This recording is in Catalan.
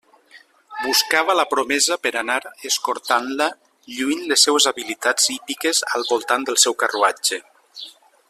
Buscava la promesa per a anar escortant-la, lluint les seues habilitats hípiques al voltant del seu carruatge.